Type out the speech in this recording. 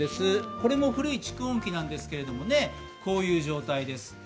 これも古い蓄音機なんですが、こういう状態です。